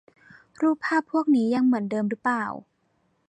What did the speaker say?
รูปภาพพวกนี้ยังเหมือนเดิมหรือเปล่า